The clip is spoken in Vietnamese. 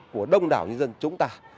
của đông đảo nhân dân chúng ta